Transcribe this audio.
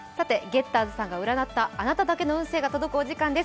ゲッターズさんが占ったあなただけの運勢が届くお時間です。